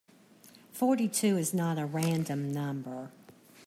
Forty-two is not a random number.